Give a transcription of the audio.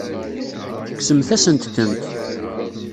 Tekksemt-asent-tent.